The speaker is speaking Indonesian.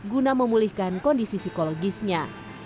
guna memulihkan kondisi psikologisnya